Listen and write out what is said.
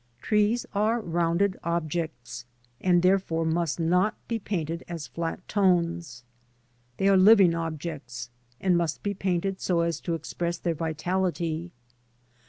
Trees are rounded objects, and therefore must not be painted as flat tones . They are Hying objects and must be painted so as to express their vitality.